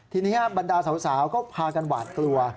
ทีนี้บรรดาสาวก็พากันหวาดกลัว